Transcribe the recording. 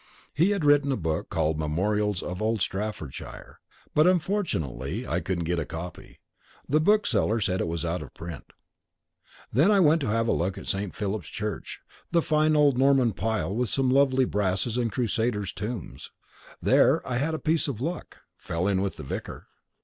He had written a book called "Memorials of Old Staffordshire," but unfortunately I couldn't get a copy. The bookseller said it was out of print. Then I went to have a look at St. Philip's Church, a fine old Norman pile with some lovely brasses and crusaders' tombs. Here I had a piece of luck fell in with the vicar.